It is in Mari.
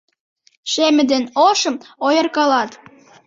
Шеме ден ошым ойыркалат.